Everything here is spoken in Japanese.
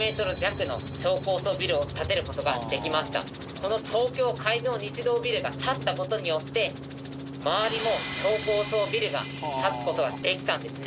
この東京海上日動ビルが建った事によって周りも超高層ビルが建つ事ができたんですね。